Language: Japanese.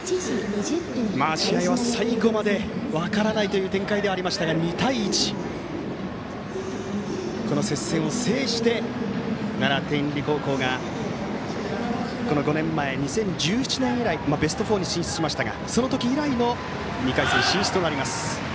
試合は最後まで分からないという展開でしたが２対１、接戦を制して奈良・天理高校が５年前２０１７年以来ベスト４に進出しましたがその時以来の２回戦進出。